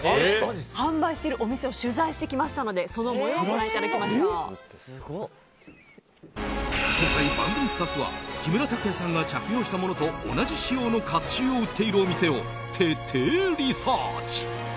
販売しているお店を取材してきましたので今回、番組スタッフは木村拓哉さんが着用したものと同じ仕様の甲冑を売っているお店を徹底リサーチ。